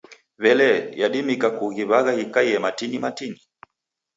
W'elee, yadimika kughiw'agha ghikaie matini matini?